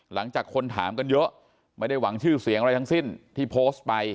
หลังจากคนถามกันเยอะไม่ได้หวังชื่อเสียงอะไรทั้งสิ้นที่โพสต์ไป